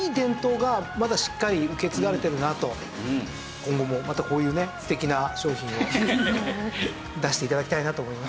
今後もまたこういうね素敵な商品を出して頂きたいなと思います。